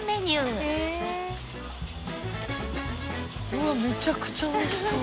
うわっめちゃくちゃおいしそう。